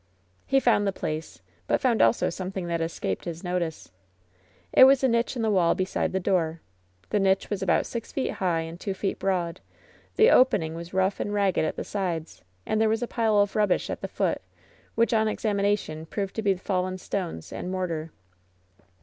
He found the place, but found also something that had escaped his notice. It was a niche in the wall be side the door. The niche was about six feet high and two feet broad; the opening was rough and ragged at the sides, and there was a pile of rubbish at the foot, which on examination proved to be fallen stones and Viortar.